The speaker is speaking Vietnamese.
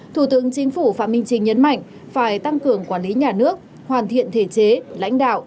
thủ tướng chính phủ phạm minh chính nhấn mạnh phải tăng cường quản lý nhà nước hoàn thiện thể chế lãnh đạo